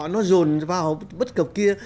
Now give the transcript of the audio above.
nó dồn vào bất cập kia